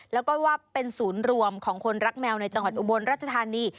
แล้วก็ว่าเป็นศูนย์รวมของคนรักแมวในจังหวัดอุบลรัชธานี